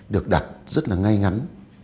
được đặt rất là ngay ngắn